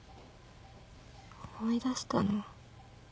思い出したの。